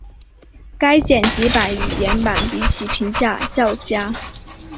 该剪辑版与原版比起评价较佳。